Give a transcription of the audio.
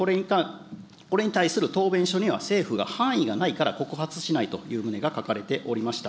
これに対する答弁書には政府が犯意がないから告発しないという旨が書かれておりました。